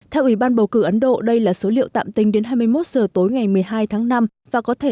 theo ủy ban bầu cử ấn độ đây là số liệu tạm tính đến hai mươi một giờ tối ngày một mươi hai tháng năm và có thể